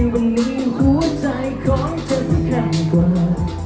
วันนี้หัวใจของเธอทั้งข้างกว่า